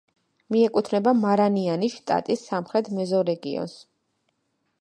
მიეკუთვნება მარანიანის შტატის სამხრეთ მეზორეგიონს.